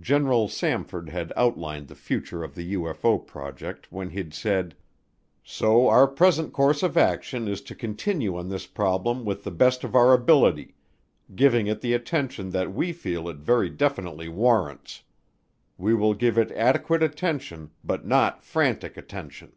General Samford had outlined the future of the UFO project when he'd said: "So our present course of action is to continue on this problem with the best of our ability, giving it the attention that we feel it very definitely warrants. We will give it adequate attention, but not frantic attention."